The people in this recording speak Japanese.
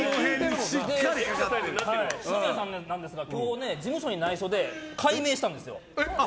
篠宮さんなんですが事務所に内緒で改名したんですよ。